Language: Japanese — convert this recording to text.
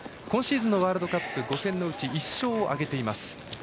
今シーズンのワールドカップ５戦のうち１勝を挙げています。